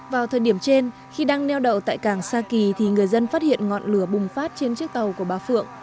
vào thời điểm trên khi đang neo đậu tại cảng sa kỳ thì người dân phát hiện ngọn lửa bùng phát trên chiếc tàu của bà phượng